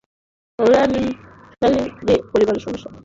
এরা নিমফ্যালিডি পরিবারের সদস্য।